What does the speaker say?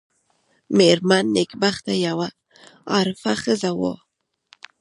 مېرمن نېکبخته یوه عارفه ښځه وه.